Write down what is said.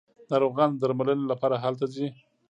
ناروغان د درملنې لپاره هلته ځي.